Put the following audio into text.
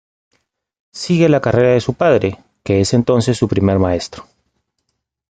Sigue la carrera de su padre, que es entonces su primer maestro.